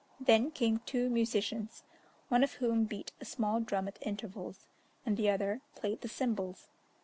Then came two musicians, one of whom beat a small drum at intervals, and the other played the cymbals.